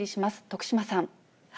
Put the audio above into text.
徳島さん。